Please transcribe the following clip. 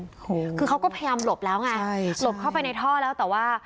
โอ้โหคือเขาก็พยายามหลบแล้วไงใช่หลบเข้าไปในท่อแล้วแต่ว่า